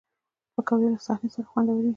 پکورې له صحنه سره خوندورې وي